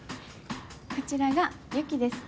こちらが雪です。